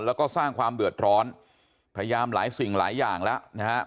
แล้วก็สร้างความเดือดร้อนพยายามหลายสิ่งหลายอย่างแล้วนะฮะ